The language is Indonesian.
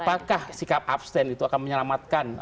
apakah sikap abstain itu akan menyelamatkan